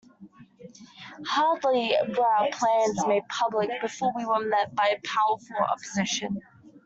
Hardly were our plans made public before we were met by powerful opposition.